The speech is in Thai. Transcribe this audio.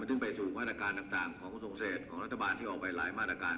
ก็จึงไปสู่มาตรการต่างต่างของคุณส่งเศษของรัฐบาลที่ออกไปหลายมาตรการ